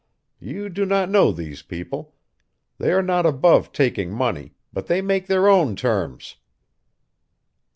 You do not know these people. They are not above taking money, but they make their own terms."